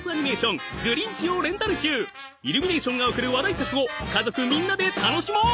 イルミネーションが贈る話題作を家族みんなで楽しもう！